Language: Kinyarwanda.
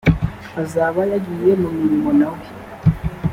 uzaba yagiye mu murima na we